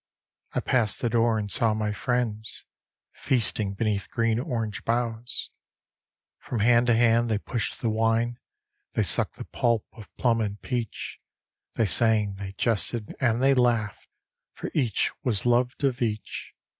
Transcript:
I passed the door, and saw my friends Feasting beneath green orange boughs; From hand to hand they pushed the wine. They sucked the pulp of plum and peach; They sang, they jested, and they laughed, For each was loved of each.